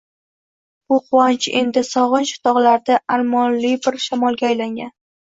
Bu quvonch endi sog’inch bog’larida armonli bir shamolga aylangan.